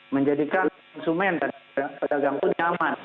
menjadikan konsumen dan pedagang pun nyaman